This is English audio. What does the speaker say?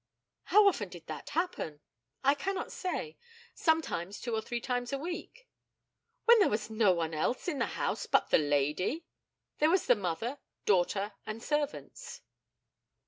How often did that happen? I cannot say. Sometimes two or three times a week. When there was no one else in the house but the lady? There were the mother, daughter, and servants.